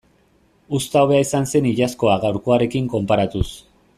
Uzta hobea izan zen iazkoa gaurkoarekin konparatuz.